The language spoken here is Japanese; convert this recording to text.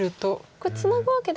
これツナぐわけではない？